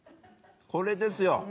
これですよ！